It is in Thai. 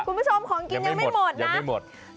คุณผู้ชมของกินยังไม่หมดนะไม่หมด